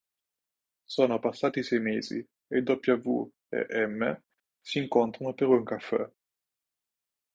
Sono passati sei mesi e W e M si incontrano per un caffè.